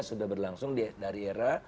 sudah berlangsung dari era